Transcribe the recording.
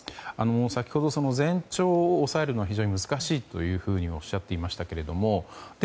先ほど前兆を抑えるのは非常に難しいとおっしゃっていましたがで